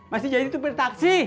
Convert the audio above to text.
masih jadi tupir taksi